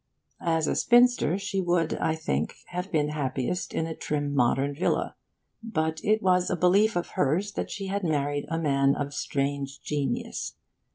As a spinster, she would, I think, have been happiest in a trim modern villa. But it was a belief of hers that she had married a man of strange genius.